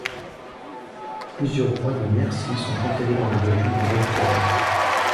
Plusieurs rois de Mercie sont enterrés dans la région de Repton.